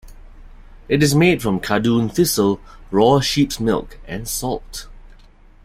It is made from cardoon thistle, raw sheep's milk and salt.